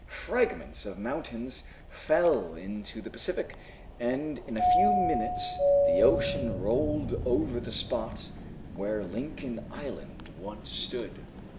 Fragments of mountains fell into the Pacific, and, in a few minutes, the ocean rolled over the spot where Lincoln island once stood.